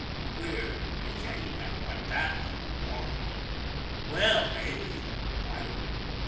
Queer, you say, he'd act like that nothing to war rant it. Well, maybe. I don't know.